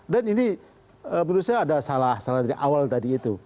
dan ini menurut saya ada salah dari awal tadi itu